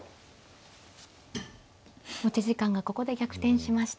持ち時間がここで逆転しました。